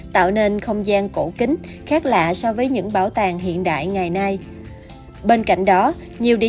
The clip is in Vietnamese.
tạo nên không gian cổ kính khác lạ so với những bảo tàng hiện đại ngày nay bên cạnh đó nhiều địa